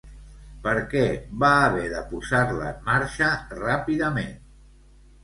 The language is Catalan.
Per què va haver de posar-la en marxa ràpidament?